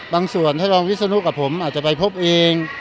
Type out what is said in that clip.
บางส่วนท่านรองวิศนุกับผมอาจจะไปพบเอง